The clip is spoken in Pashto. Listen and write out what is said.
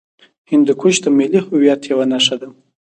هندوکش د ملي هویت یوه نښه ده.